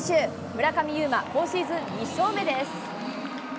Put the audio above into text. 村上右磨、今シーズン２勝目です。